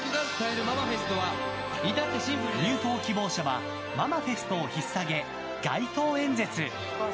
入党希望者はママフェストをひっさげ街頭演説。